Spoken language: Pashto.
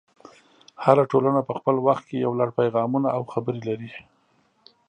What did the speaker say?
هره ټولنه په خپل وخت کې یو لړ پیغامونه او خبرې لري.